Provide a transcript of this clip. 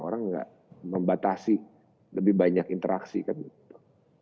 orang nggak membatasi lebih banyak interaksi kan gitu